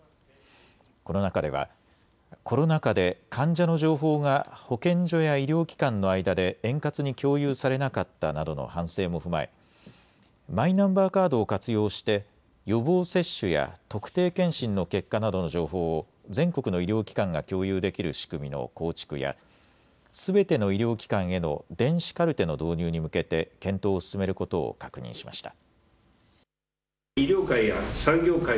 この中ではコロナ禍で患者の情報が保健所や医療機関の間で円滑に共有されなかったなどの反省も踏まえマイナンバーカードを活用して予防接種や特定健診の結果などの情報を全国の医療機関が共有できる仕組みの構築や、すべての医療機関への電子カルテの導入に向けて検討を進めることを確認しました。